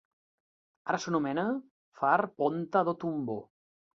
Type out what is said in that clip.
Ara s'anomena far Ponta do Tumbo.